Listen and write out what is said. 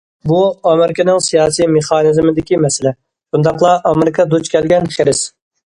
بۇ، ئامېرىكىنىڭ سىياسىي مېخانىزمىدىكى مەسىلە، شۇنداقلا ئامېرىكا دۇچ كەلگەن خىرىس.